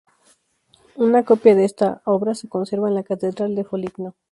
Una copia de esta obra se conserva en la catedral de Foligno.